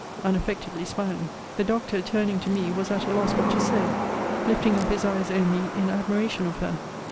Unaffectedly smiling. The doctor, turning to me, was at a loss what to say, lifting up his eyes only in admiration of her.